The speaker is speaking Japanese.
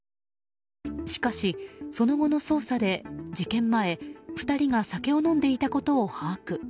しかし、その後の捜査で、事件前２人が酒を飲んでいたことを把握。